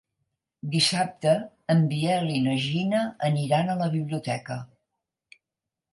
Dissabte en Biel i na Gina aniran a la biblioteca.